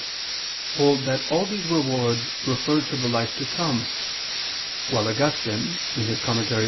v), hold that all these rewards refer to the life to come; while Augustine (De Serm.